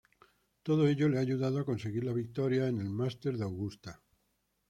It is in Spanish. Todo ello le ha ayudado a conseguir la victoria en el Masters de Augusta.